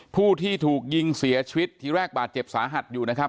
ผู้ที่ถูกยิงเสียชีวิตทีแรกบาดเจ็บสาหัสอยู่นะครับ